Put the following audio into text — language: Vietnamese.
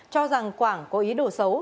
cho rằng quảng có ý đồ xấu